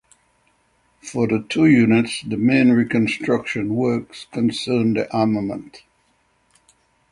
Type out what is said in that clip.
For the two units the main reconstruction works concerned the armament.